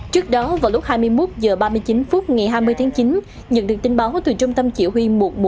trước đó vào lúc hai mươi một h ba mươi chín phút ngày hai mươi tháng chín nhận được tin báo từ trung tâm chỉ huy một trăm một mươi một